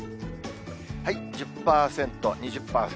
１０％、２０％。